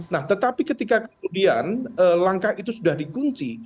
nah tetapi ketika kemudian langkah itu sudah dikunci